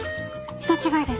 人違いです。